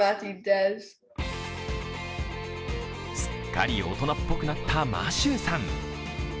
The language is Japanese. すっかり大人っぽくなったマシューさん。